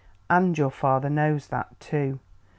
And your father knows that, too.